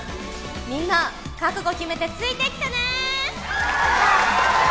みんな覚悟決めてついてきてね！